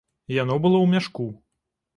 Яно было ў мяшку.